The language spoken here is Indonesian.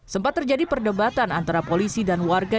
sempat terjadi perdebatan antara polisi dan warga